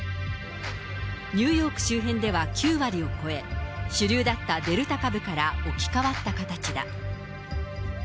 ニューヨーク周辺では９割を超え、主流だったデルタ株から置き換わった形だ。